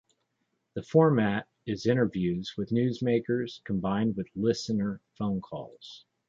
The format is interviews with newsmakers, combined with listener phone calls.